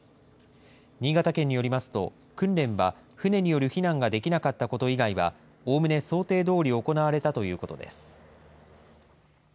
新潟県によりますと、訓練は船による避難ができなかったこと以外は、おおむね想定どおり行われたということです。